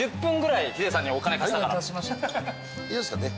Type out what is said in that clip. いいですかね？